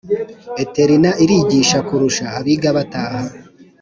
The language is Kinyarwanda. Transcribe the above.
Eterina irigisha kurusha abiga bataha